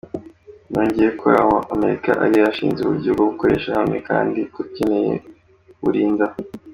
Yongeyeho ko Amerika ari yo yashinze uburyo bwo gukorera hamwe kandi ko ikeneye kuburinda.